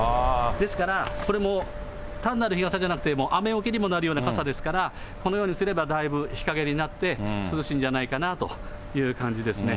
ですから、これも単なる日傘じゃなくて雨よけにもなるような傘ですから、このようにすれば、だいぶ日陰になって、涼しいんじゃないかなという感じですね。